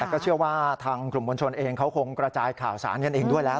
ก็เชื่อว่าทางกลุ่มมวลชนเองเขาคงกระจายข่าวสารกันเองด้วยแล้ว